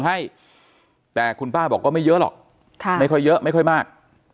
ให้แต่คุณป้าบอกว่าไม่เยอะหรอกไม่ค่อยเยอะไม่ค่อยมาก